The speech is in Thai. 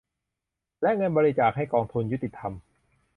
และเงินบริจาคให้กองทุนยุติธรรม